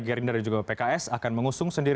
gerinder dan juga bpks akan mengusung sendiri